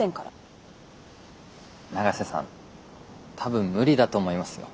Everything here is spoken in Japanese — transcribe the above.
永瀬さん多分無理だと思いますよ。